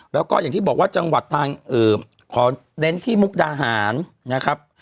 แล้วก็อย่างที่บอกว่าจังหวัดทางขอเน้นที่มุกดาหารนะครับ